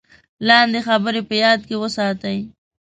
لاندې خبرې په یاد کې وساتئ: